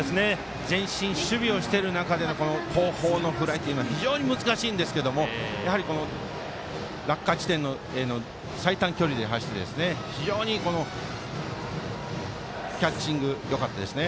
前進守備をしている中での後方のフライというのは非常に難しいんですけど落下地点への最短距離で走って非常にキャッチングよかったですね。